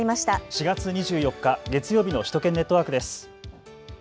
４月２４日、月曜日の首都圏ネットワークです。